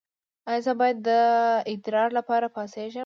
ایا زه باید د ادرار لپاره پاڅیږم؟